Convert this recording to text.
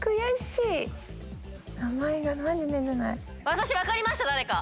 私分かりました誰か。